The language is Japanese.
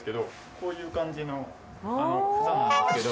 こういう感じの房なんですけど。